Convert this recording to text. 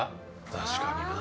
確かにな。